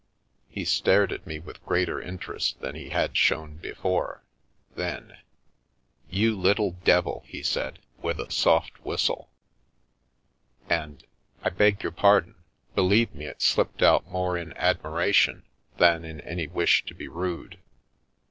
He stared at me with greater interest than he had shown before. Then: " You little devil !" he said, with a soft whistle, and :" I beg your pardon, believe me it slipped out more in admiration than in any wish to be rude."